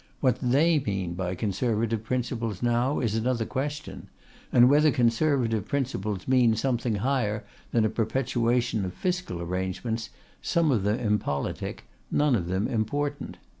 What they mean by Conservative principles now is another question: and whether Conservative principles mean something higher than a perpetuation of fiscal arrangements, some of them impolitic, none of them important.